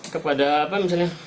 kepada apa misalnya